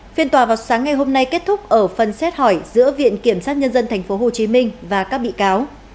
phiên tòa vào sáng ngày hôm nay kết thúc ở phần xét hỏi giữa viện kiểm sát nhân dân tp hcm và các bị cáo